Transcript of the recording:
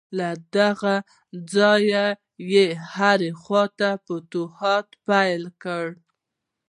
له دغه ځایه یې هرې خواته فتوحات پیل کړل.